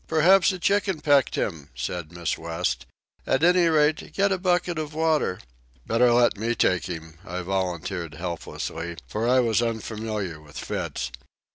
"Perhaps a chicken pecked him," said Miss West. "At any rate, get a bucket of water." "Better let me take him," I volunteered helplessly, for I was unfamiliar with fits.